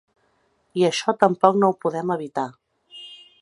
I això tampoc no ho podem evitar.